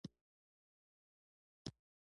سپین پوستې طبقې له برېټانیا څخه خپلواکي تر لاسه کړه.